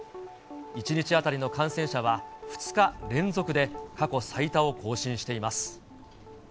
１日当たりの感染者は２日連続で過去最多を更新しています。